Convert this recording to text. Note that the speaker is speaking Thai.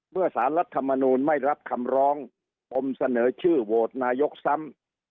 สารรัฐมนูลไม่รับคำร้องปมเสนอชื่อโหวตนายกซ้ำ